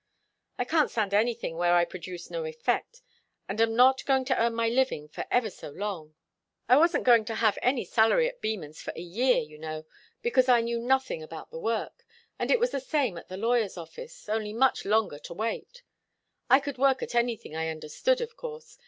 "I can't stand anything where I produce no effect, and am not to earn my living for ever so long. I wasn't to have any salary at Beman's for a year, you know, because I knew nothing about the work. And it was the same at the lawyer's office only much longer to wait. I could work at anything I understood, of course.